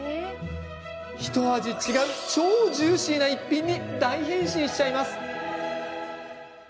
ひと味違う超ジューシーな逸品に大変身しちゃいます。